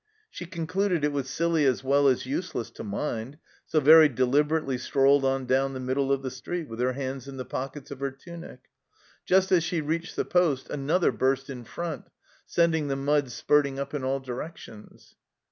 She concluded it was silly as well as useless to mind, so very deliberately strolled on down the middle of the street with her hands in the pockets of her tunic. Just as she reached the poste, another burst in front, sending the mud spurting up in all directions.